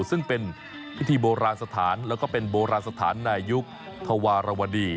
ซึ่งเป็นพิธีโบราณสถานแล้วก็เป็นโบราณสถานในยุคธวารวดี